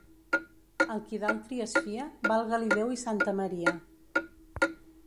Al qui d'altri es fia, valga-li Déu i Santa Maria.